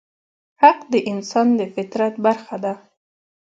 حق د انسان د فطرت برخه ده.